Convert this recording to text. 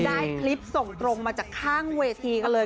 ได้คลิปส่งตรงมาจากข้างเวทีกันเลย